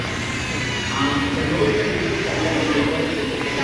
Se creaban así oficiales "improvisados" para suplir la escasez de mandos intermedios.